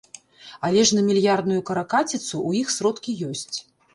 Але ж на мільярдную каракаціцу ў іх сродкі ёсць.